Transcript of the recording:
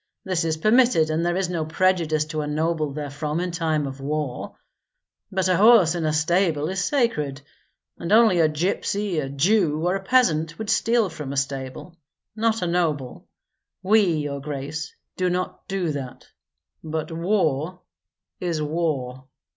This is permitted, and there is no prejudice to a noble therefrom in time of war. But a horse in a stable is sacred; and only a gypsy, a Jew, or a peasant would steal from a stable, not a noble. We, your grace, do not do that. But war is war!"